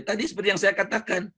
tadi seperti yang saya katakan